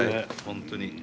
本当に。